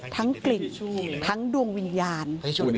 กลิ่นทั้งดวงวิญญาณ